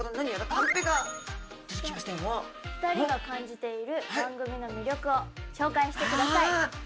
「２人が感じている番組の魅力を紹介してください」。